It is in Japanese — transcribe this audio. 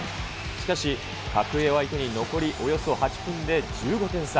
しかし、格上を相手に残りおよそ８分で１５点差。